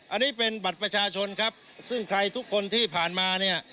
อันนี้เป็นบัตรประชาชนครับซึ่งใครทุกคนที่ผ่านมาเนี่ย